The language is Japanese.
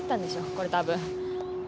これ多分。